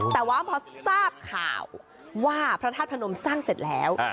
แต่ว่าพอทราบข่าวว่าพระธาตุพนมสร้างเสร็จแล้ว